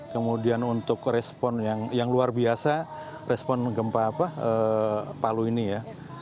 kemudian untuk respon yang luar biasa respon gempa palu ini ya